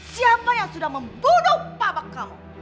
siapa yang sudah membunuh papa kamu